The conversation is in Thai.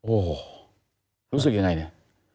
โอ้โหรู้สึกยังไงเนี่ย